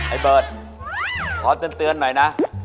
ไอ้เบิร์ตขอเตือนหน่อยนะ